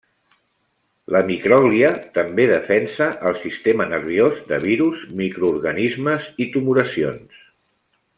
La micròglia també defensa el sistema nerviós de virus, microorganismes i tumoracions.